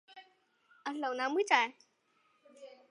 毛盔西藏糙苏为唇形科糙苏属下的一个变种。